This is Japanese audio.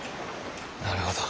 なるほど。